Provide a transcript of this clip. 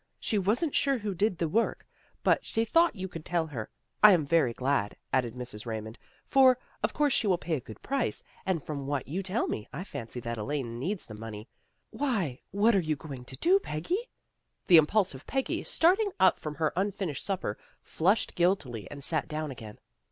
She wasn't sure who did the work, but she thought you could tell her. I am very glad," added Mrs. Raymond, " for, of course, she will pay a good price, and, from what you tell me, I fancy that Elaine needs the money. Why, what are you going to do, Peggy? " The impulsive Peggy, starting up from her unfinished supper, flushed guiltily and sat down again.